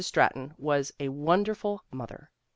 Stratton was "a wonderful mother."